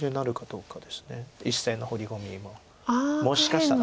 １線のホウリコミももしかしたら。